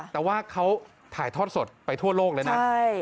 แต่ว่าเขาถ่ายทอดสดไปทั่วโลกเลยนะ